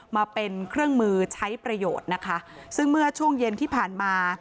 มาเป็นเครื่องมือใช้ประโยชน์นะคะซึ่งเมื่อช่วงเย็นที่ผ่านมา